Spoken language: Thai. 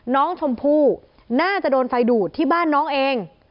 น้องชมพู่น่าจะโดนไฟดูดที่บ้านน้องเอง